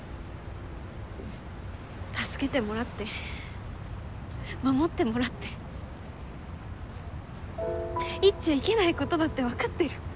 助けてもらって守ってもらって言っちゃいけないことだって分かってる。